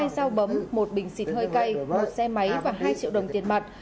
hai dao bấm một bình xịt hơi cay một xe máy và hai triệu đồng tiền mặt